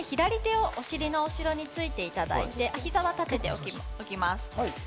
で、左手をお尻の後ろについていただいて、膝は立てておきます。